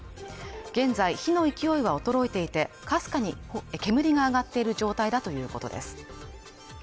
現在火の勢いは衰えていて、かすかに煙が上がっている状態だということです。